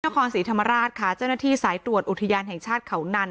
นครศรีธรรมราชค่ะเจ้าหน้าที่สายตรวจอุทยานแห่งชาติเขานัน